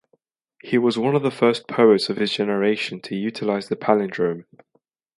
He was one of the first poets of his generation to utilize the palindrome.